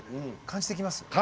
感じてきます。